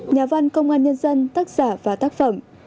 nhà văn công an nhân dân tác giả và tác phẩm